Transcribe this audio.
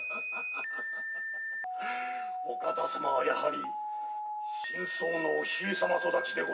お方様はやはり深窓のお姫様育ちでございますな！